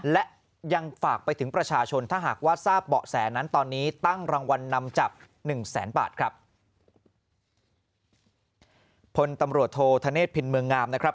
และยังฝากไปถึงประชาชนถ้าหากว่าทราบเบาะแสนนั้นตอนนี้ตั้งรางวัลนำจับ๑แสนบาทครับ